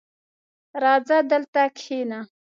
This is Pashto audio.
راځه دلته کښېنه!